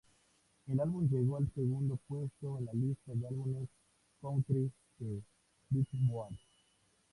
El álbum llegó al segundo puesto en la lista de álbumes "country" de "Billboard".